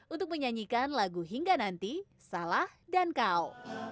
untuk menyanyikan lagu hingga nanti salah dan kau